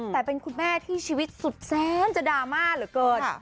แต่เป็นคุณแม่ที่ชีวิตสุดแซนจะดราม่าเหลือเกิน